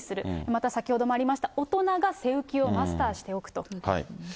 また先ほどもありました、大人が背浮きをマスターしておくと。